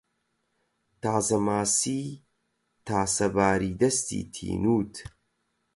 تازەماسیی تاسەباری دەستی تینووت